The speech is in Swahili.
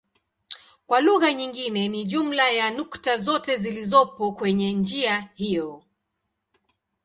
Kwa lugha nyingine ni jumla ya nukta zote zilizopo kwenye njia hiyo.